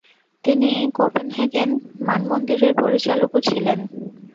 তিনি কোপেনহেগেন মানমন্দিরের পরিচালকও ছিলেন।